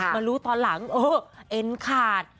มารู้ตอนหลังเออเอ็นขาด